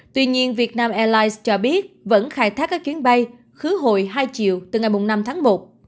tuy nhiên việt nam airlines cho biết vẫn khai thác các chuyến bay khứ hồi hai chiều từ ngày năm tháng một